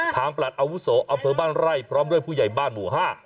ทางประหลัดอาวุโสเอาเพลิงบ้านไล่พร้อมด้วยผู้ใหญ่บ้านหมู่ห้า